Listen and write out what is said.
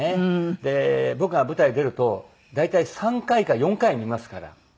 で僕が舞台出ると大体３回か４回見ますから。